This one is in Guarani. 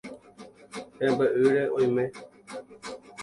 Hembe'ýre oime.